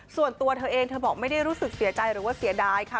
ส่วนตัวเธอเองเธอบอกไม่ได้รู้สึกเสียใจหรือว่าเสียดายค่ะ